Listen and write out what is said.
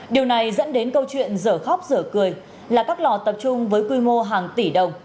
điều này dẫn đến câu chuyện dở khóc dở cười là các lò tập trung với quy mô hàng tỷ đồng